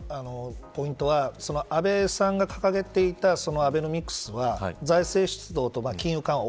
ポイントは安倍さんが掲げていたアベノミクスは財政出動と金融緩和